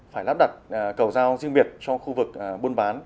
phải lắp đặt cầu giao riêng biệt cho khu vực buôn bán